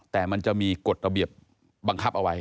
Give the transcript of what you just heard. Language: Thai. แต่มันจะมีกฎระเบียบบังคับเอาไว้